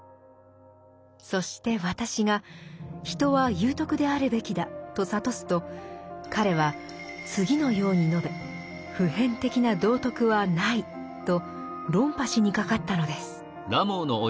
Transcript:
そして「私」が「人は有徳であるべきだ」と諭すと彼は次のように述べ「普遍的な道徳はない」と論破しにかかったのです。